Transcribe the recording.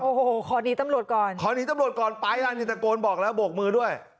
โอ้โหขอหนีตำรวจก่อนขอหนีตำรวจก่อนไปล่ะนี่ตะโกนบอกแล้วโบกมือด้วย